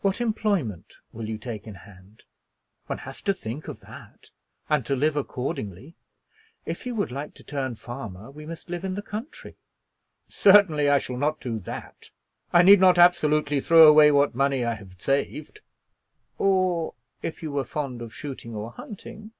"What employment will you take in hand? One has to think of that, and to live accordingly. If you would like to turn farmer, we must live in the country." "Certainly I shall not do that. I need not absolutely throw away what money I have saved." "Or if you were fond of shooting or hunting?"